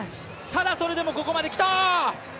ただそれでもここまできた！